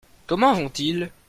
Comment vont-ils ?